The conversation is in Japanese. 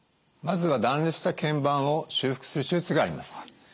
まずは断裂した腱板を修復する手術があります。